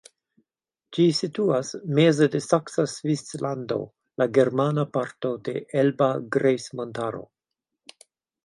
Ĝi situas meze de Saksa Svislando, la germana parto de Elba Grejsmontaro.